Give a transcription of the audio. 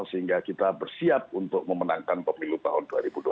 sehingga kita bersiap untuk memenangkan pemilu tahun dua ribu dua puluh